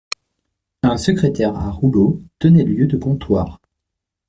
Un secrétaire à rouleau tenait lieu de comptoir.